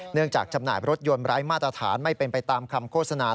เนื่องจากจำหน่ายรถยนต์ร้ายมาตรฐานไม่เป็นไปตามคำโฆษณา